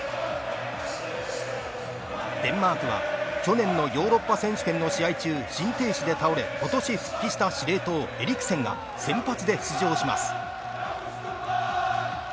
デンマークは去年のヨーロッパ選手権の試合中心停止で倒れ今年復帰した司令塔エリクセンが先発で出場します。